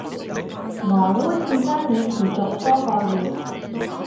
俄烏戰爭已持續多個月